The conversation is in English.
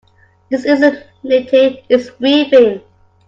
This isn't knitting, its weaving.